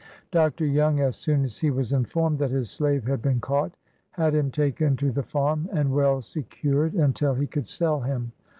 Dr. Young, as soon as he was informed that his slave had been caught, had him taken to the farm and well secured until he could sell him.